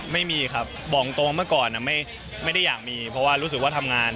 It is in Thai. ไม่มีครับบอกตรงเมื่อก่อนไม่ได้อยากมีเพราะว่ารู้สึกว่าทำงาน